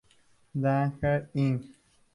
Danger Inc.